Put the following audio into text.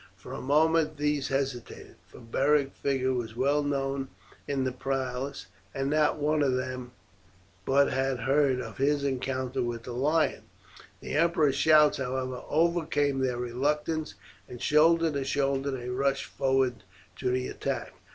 For a moment these hesitated, for Beric's figure was well known in the palace, and not one of them but had heard of his encounter with the lion. The emperor's shouts, however, overcame their reluctance, and shoulder to shoulder they rushed forward to the attack.